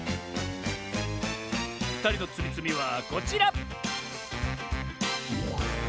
ふたりのつみつみはこちら！